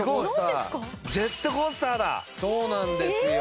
そうなんですよ！